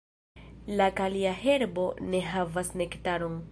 La kalia herbo ne havas nektaron.